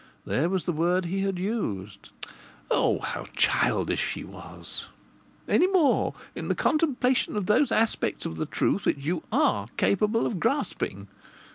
There was the word he had used how childish she was! " any more in the contemplation of those aspects of the truth which you are capable of grasping.